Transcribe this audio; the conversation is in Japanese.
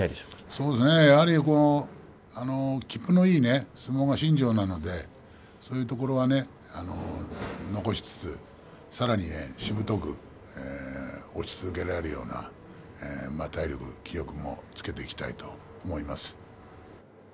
そうですねきっぷのいいね相撲が身上なのでそういうところは残しつつさらに、しぶとく押し続けられるような体力、気力もつけていきたいと思います。